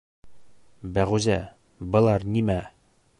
Бәғүзә, былар нимә?